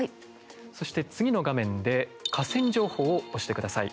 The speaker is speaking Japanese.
そして、次の画面で「河川情報」を押してください。